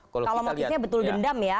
kalau motifnya betul dendam ya